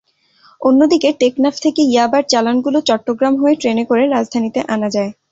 অন্যদিকে টেকনাফ থেকে ইয়াবার চালানগুলো চট্টগ্রাম হয়ে ট্রেনে করে রাজধানীতে আনা যায়।